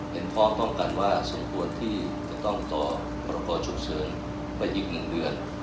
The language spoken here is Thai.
เป็นเพราะต้องการว่าสมควรที่จะต้องต่อปรากฎฉุกเชิญไปอีกหนึ่งเดือน